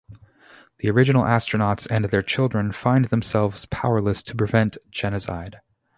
The original astronauts and their children find themselves powerless to prevent the genocide.